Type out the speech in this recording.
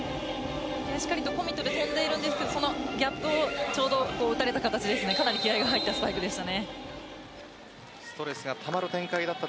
しっかりとコミットで跳んでいるんですがそのギャップをちょうど打たれたかなり気合が入ったスパイクでした。